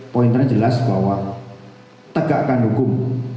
poin tni jelas bahwa tegakkan hukum